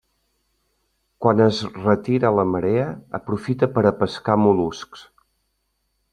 Quan es retira la marea aprofita per a pescar mol·luscs.